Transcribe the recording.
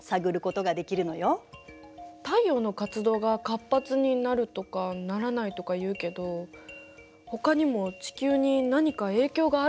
太陽の活動が活発になるとかならないとか言うけどほかにも地球に何か影響があるのかしら。